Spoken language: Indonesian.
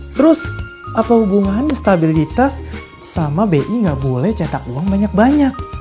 terus apa hubungan stabilitas sama bi nggak boleh cetak uang banyak banyak